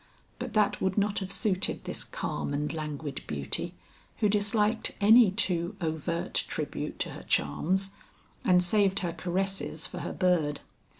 But that would not have suited this calm and languid beauty who disliked any too overt tribute to her charms and saved her caresses for her bird.